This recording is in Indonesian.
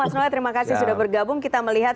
mas noel terima kasih sudah bergabung kita melihat